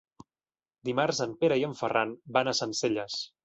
Dimarts en Pere i en Ferran van a Sencelles.